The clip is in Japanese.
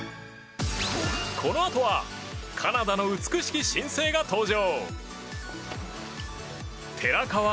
このあとはカナダの美しき新星が登場。